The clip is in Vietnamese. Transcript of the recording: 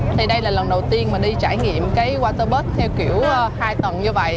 thì đây là lần đầu tiên mà đi trải nghiệm cái water bus theo kiểu hai tầng như vậy